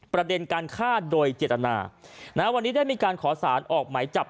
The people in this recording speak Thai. ประเด็นการฆ่าโดยเจตนาวันนี้ได้มีการขอสารออกหมายจับ